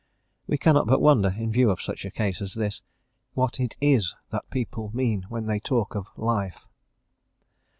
We cannot but wonder, in view of such a case as his, what it is that people mean when they talk of "life."